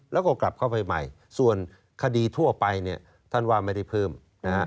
แล้วก็กลับเข้าไปใหม่ส่วนคดีทั่วไปเนี่ยท่านว่าไม่ได้เพิ่มนะฮะ